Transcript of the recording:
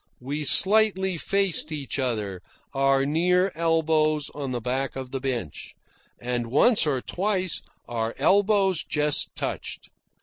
We slightly faced each other, our near elbows on the back of the bench; and once or twice our elbows just touched.